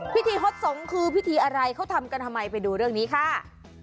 พิธีฮดสงฆ์คือพิธีอะไรเขาทำกันทำไมไปดูเรื่องนี้ค่ะ